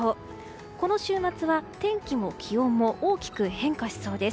この週末は天気も気温も大きく変化しそうです。